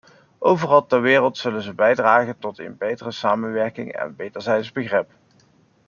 Overal ter wereld zullen ze bijdragen tot een betere samenwerking en wederzijds begrip.